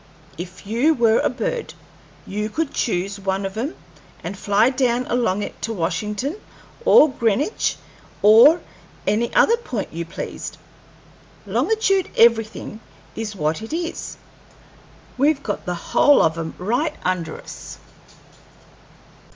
If you were a bird, you could choose one of 'em and fly down along it to Washington or Greenwich or any other point you pleased. Longitude everything is what it is; we've got the whole of 'em right under us."